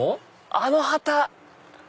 あの旗！